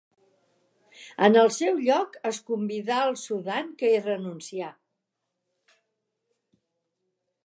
En el seu lloc, es convidà el Sudan, que hi renuncià.